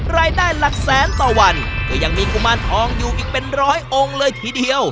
รายได้หลักแสนต่อวันก็ยังมีกุมารทองอยู่อีกเป็นร้อยองค์เลยทีเดียว